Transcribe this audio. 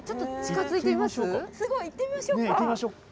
すごい行ってみましょうか。